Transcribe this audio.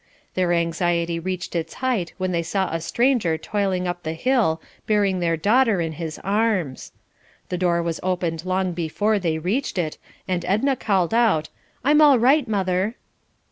Their anxiety reached its height when they saw a stranger toiling up the hill bearing their daughter in his arms. The door was opened long before they reached it, and Edna called out, "I'm all right, mother."